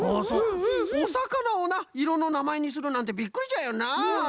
おさかなをないろのなまえにするなんてびっくりじゃよな。